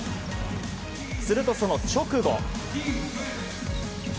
すると、その直後。